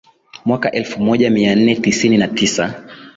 mwaka elfu moja mia nne tisini na tisa